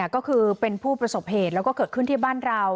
ก็คือเป็นผู้ประสบเหตุแล้วก็เกิดขึ้นที่บ้านเรา